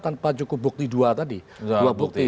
tanpa cukup bukti dua tadi dua bukti